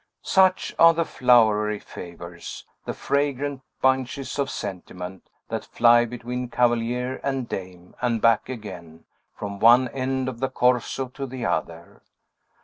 Such are the flowery favors the fragrant bunches of sentiment that fly between cavalier and dame, and back again, from one end of the Corso to the other.